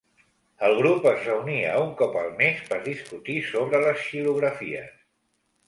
El grup es reunia un cop al mes per discutir sobre les xilografies.